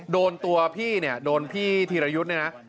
โดนตัวพี่เนี่ยโดนพี่ธีรยุทธ์เนี่ยนะ